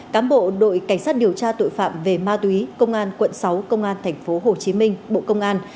cám bộ đội cảnh sát điều tra tội phạm về ma túy công an quận sáu công an tp hcm bộ công an